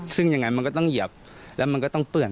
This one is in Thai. ซึ่งยังไงมันก็ต้องเหยียบแล้วมันก็ต้องเปื่อน